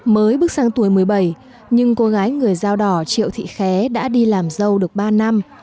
mới bước sang tuổi một mươi bảy nhưng cô gái người dao đỏ triệu thị khé đã đi làm dâu được ba năm